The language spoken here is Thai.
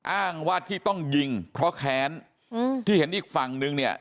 อ้างว่าที่ต้องยิงเพราะแค้นอืมที่เห็นอีกฝั่งนึงเนี่ย